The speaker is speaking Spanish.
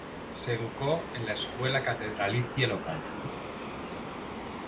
Se educó en la escuela catedralicia local.